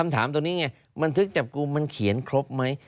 โตนี้เนี่ยบันทึกจับกลูมมันเขียนครบมั้ย